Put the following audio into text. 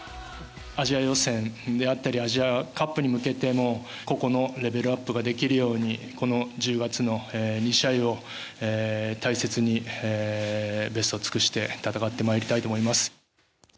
アジア予選であったりアジアカップに向けても個々のレベルアップができるようにこの１０月の２試合を大切にベストを尽くして戦ってまいりたいと思います。